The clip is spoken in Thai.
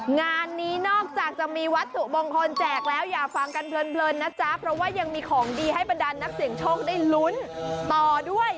งานนี้นอกจากจะมีวัตถุมงคลแจกแล้วอย่าฟังกันเพลินนะจ๊ะเพราะว่ายังมีของดีให้บรรดานนักเสียงโชคได้ลุ้นต่อด้วย